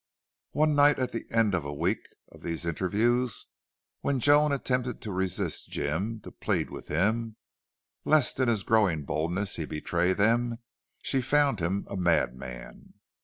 One night at the end of a week of these interviews, when Joan attempted to resist Jim, to plead with him, lest in his growing boldness he betray them, she found him a madman.